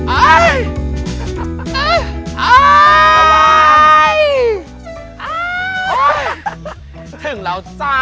โอ๊ยถึงแล้วจ้ะ